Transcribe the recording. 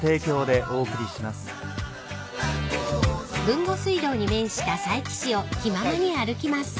［豊後水道に面した佐伯市を気ままに歩きます］